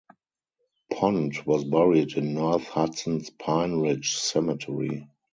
Pond was buried in North Hudson's Pine Ridge Cemetery.